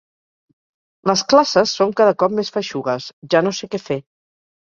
Les classes són cada cop més feixugues, ja no sé què fer.